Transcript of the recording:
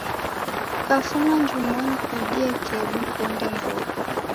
Kukafuma njumonyi kuidie kedu kuonde mbogha